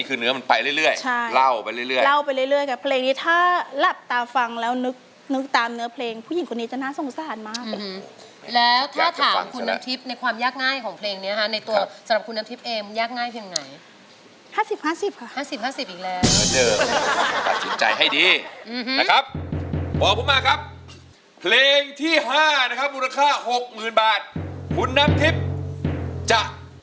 เมื่อกี้ได้แววน่าจะจบไปกี่รอบแล้วฮะ